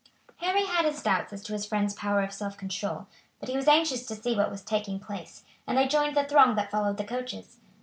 Harry had his doubts as to his friend's power of self control, but he was anxious to see what was taking place, and they joined the throng that followed the coaches.